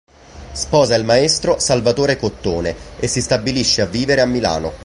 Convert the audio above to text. Sposa il maestro Salvatore Cottone e si stabilisce a vivere a Milano.